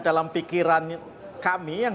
dalam pikiran kami yang